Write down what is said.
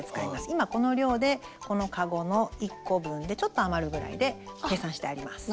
今この量でこのかごの１個分でちょっと余るぐらいで計算してあります。